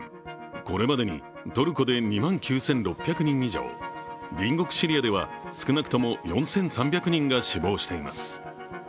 これまでにトルコで２万９６００人以上隣国シリアでは、少なくとも４３００人が死亡しています。